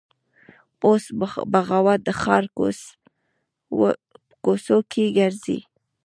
اوس بغاوت د ښار کوڅ وکې ګرځي